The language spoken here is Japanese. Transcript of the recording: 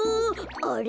あれ？